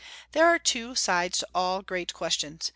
There are two sides to all great questions.